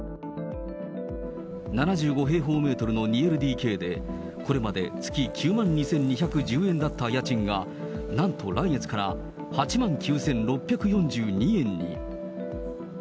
７５平方メートルの２ＬＤＫで、これまで月９万２２１０円だった家賃が、なんと来月から８万９６４２円に。